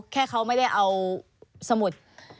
แค่เขาไม่ได้เอาสมุด